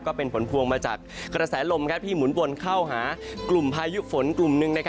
ก็เป็นผลพวงมาจากกระแสลมที่หมุนวนเข้าหากลุ่มพายุฝนกลุ่มหนึ่ง